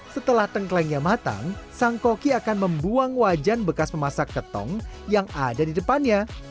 setelah tengklengnya matang sang koki akan membuang wajan bekas memasak ketong yang ada di depannya